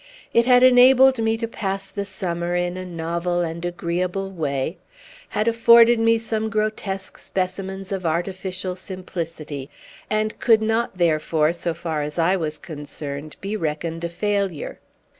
It had enabled me to pass the summer in a novel and agreeable way, had afforded me some grotesque specimens of artificial simplicity, and could not, therefore, so far as I was concerned, be reckoned a failure.